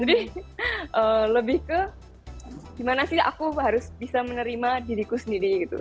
jadi lebih ke gimana sih aku harus bisa menerima diriku sendiri gitu